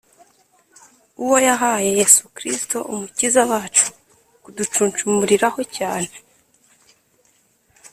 uwo yahaye Yesu Kristo Umukiza wacu kuducunshumuriraho cyane,